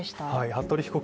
服部被告